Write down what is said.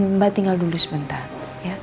mbak tinggal dulu sebentar ya